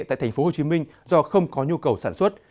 tại tp hcm do không có nhu cầu sản xuất